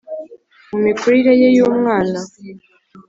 Mu mikurire ye yumwana